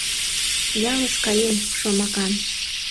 Ялыш каем — шомакан.